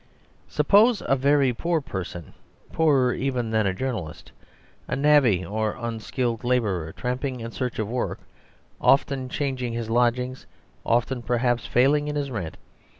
Suppose a very poor person, poorer even than a journalist, a navvy or unskilled labourer, tramping in search of work, often changing his lodgings, often, perhaps, failing in his rent.